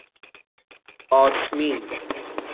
آتمین